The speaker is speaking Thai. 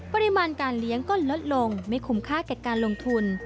ปริมาณการเลี้ยงก็ลดลงไม่คุ้มค่าแก่การลงทุน